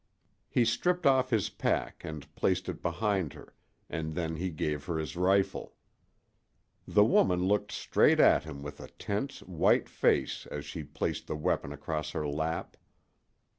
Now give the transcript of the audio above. He stripped off his pack and placed it behind her, and then he gave her his rifle. The woman looked straight at him with a tense, white face as she placed the weapon across her lap.